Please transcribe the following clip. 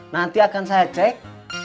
nanti akan saya cek